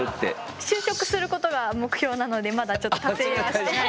就職することが目標なのでまだちょっと達成はしてない。